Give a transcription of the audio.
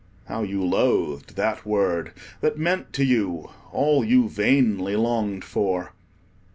(How you loathed that word, that meant to you all you vainly longed for!)